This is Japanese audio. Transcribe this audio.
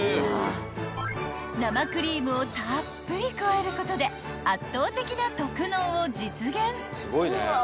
［生クリームをたっぷり加えることで圧倒的な特濃を実現］